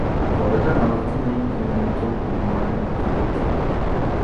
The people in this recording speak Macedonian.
Во повеќе наврати му имам помогнато околу наоѓање клиенти.